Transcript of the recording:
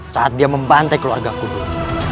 saat dia membantai keluarga kubu